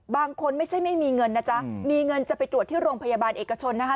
บางคนไม่ใช่ไม่มีเงินนะจ๊ะมีเงินจะไปตรวจที่โรงพยาบาลเอกชนนะคะ